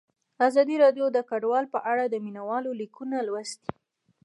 ازادي راډیو د کډوال په اړه د مینه والو لیکونه لوستي.